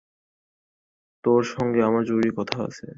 তোর সঙ্গে আমার জরুরি কথা আছে।